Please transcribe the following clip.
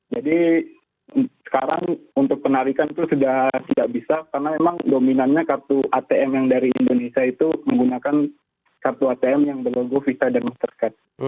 jadi sekarang untuk penarikan itu sudah tidak bisa karena memang dominannya kartu atm yang dari indonesia itu menggunakan kartu atm yang berlogo visa dan mastercard